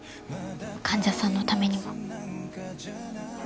患者さんのためにも。